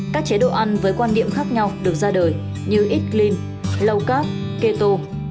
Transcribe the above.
các chế độ ăn với quan điểm khác nhau được ra đời như eat clean low carb keto